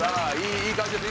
いい感じです。